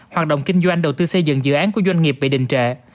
hoạt động kinh doanh đầu tư xây dựng dự án của doanh nghiệp bị đình trệ